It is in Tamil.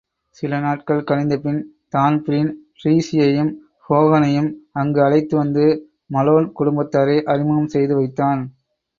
சிலநாட்கள் கழிந்தபின் தான்பிரீன் டிரீஸியையும் ஹோகனையும் அங்கு அழைத்து வந்து மலோன் குடும்பத்தாரை அறிமுகம் செய்துவைத்தான்.